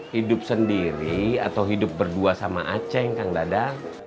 hidup sendiri atau hidup berdua sama aceng kang dadang